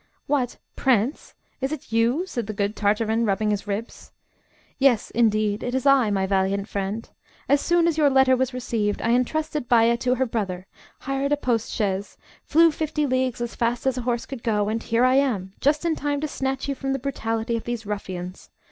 "What, prince, is it you?" said the good Tartarin, rubbing his ribs. "Yes, indeed, it is I, my valiant friend. As soon as your letter was received, I entrusted Baya to her brother, hired a post chaise, flew fifty leagues as fast as a horse could go, and here I am, just in time to snatch you from the brutality of these ruffians.